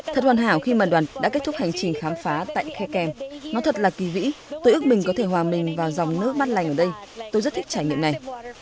thật hoàn hảo khi mà đoàn đã kết thúc hành trình khám phá tại khe kèm nó thật là kỳ vĩ tôi ước mình có thể hòa mình vào dòng nước mắt lành ở đây tôi rất thích trải nghiệm này